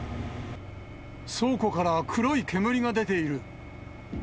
倉庫から黒い煙が出ている。